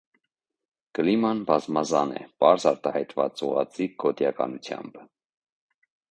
Կլիման բազմազան է, պարզ արտահայտված ուղղաձիգ գոտիականությամբ։